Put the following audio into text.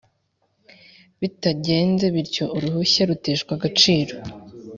Bitagenze bityo uruhushya ruteshwa agaciro